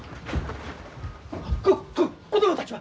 ここ子供たちは？